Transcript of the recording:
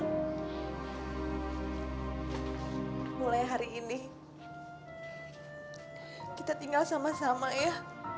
mulai hari ini kita tinggal sama sama ya